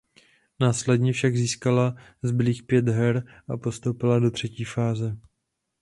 Následně však získala zbylých pět her a postoupila do třetí fáze.